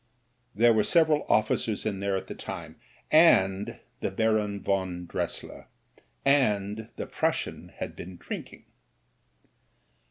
There were several officers in there at the time, and — ^the Baron von Dress ier. And the Prussian had been drinking.